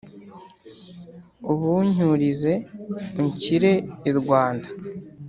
Ubuncyurize unshyire i Rwanda,